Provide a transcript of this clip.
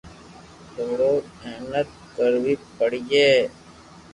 ٿوري مھنت ڪروي پڙئي